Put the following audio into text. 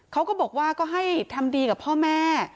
เขาก็บอกว่าก็ให้ทำดีกับพ่อแม่